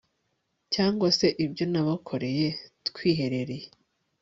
cyangwa se ibyo nabakoreye twiherereye